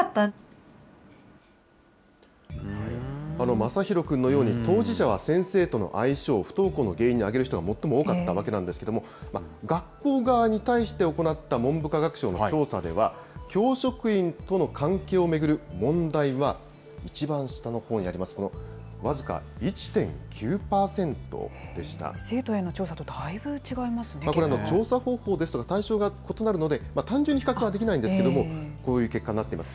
まさひろ君のように、当事者は先生との相性を不登校の原因に挙げる人が最も多かったわけですけれども、学校側に対して行った文部科学省の調査では、教職員との関係を巡る問題は、一番下のほうにあります、この僅か１．生徒への調査とだいぶ違いまこれ、調査方法ですとか対象が異なるので、単純に比較はできないんですけども、こういう結果になっています。